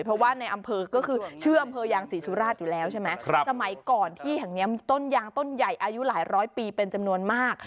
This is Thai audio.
เพราะว่าในอำเภอก็คือชื่ออำเภอยางศรีสุราชอยู่แล้วใช่ไหมสมัยก่อนที่แห่งนี้มีต้นยางต้นใหญ่อายุหลายร้อยปีเป็นจำนวนมาก